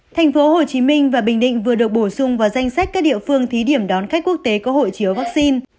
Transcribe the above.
thành phố hồ chí minh và bình định vừa được bổ sung vào danh sách các địa phương thí điểm đón khách quốc tế có hộ chiếu vaccine